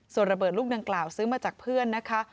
ส่วนระเบิดลูกดังกล่าวซื้อมาจากเพื่อนนะคะ